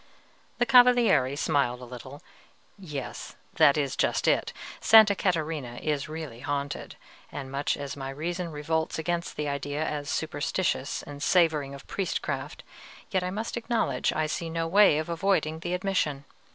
The Cavaliere smiled a little: "Yes, that is just it. Sta. Catarina is really haunted; and much as my reason revolts against the idea as superstitious and savoring of priestcraft, yet I must acknowledge I see no way of avoiding the admission.